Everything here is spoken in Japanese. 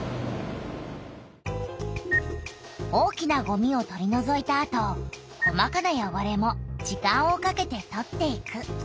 大きなごみを取りのぞいたあと細かなよごれも時間をかけて取っていく。